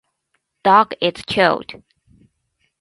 Dog is cute.